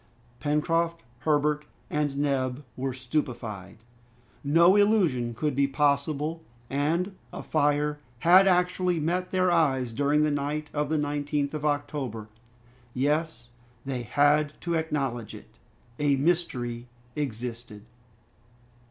Pencroft, Herbert, and Neb were stupefied. No illusion could be possible, and a fire had actually met their eyes during the night of the 19th of October. Yes! they had to acknowledge it, a mystery existed!